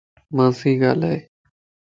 مان سي گالائي